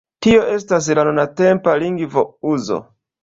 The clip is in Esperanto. Tio estas la nuntempa lingvo-uzo.